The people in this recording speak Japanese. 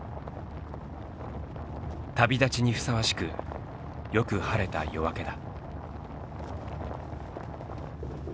旅立ちにふさわしくよく晴れた夜明けだ。